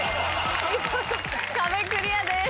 見事壁クリアです。